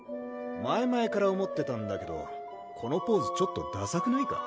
前々から思ってたんだけどこのポーズちょっとださくないか？